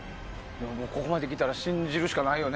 ここまできたら信じるしかないよね。